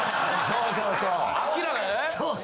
「そうそうそう」